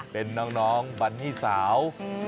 เป็นน้องบันนี่สาว